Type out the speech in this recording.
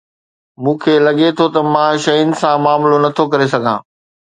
مون کي لڳي ٿو ته مان شين سان معاملو نٿو ڪري سگهان